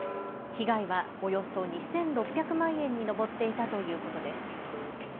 被害はおよそ２６００万円に上っていたということです。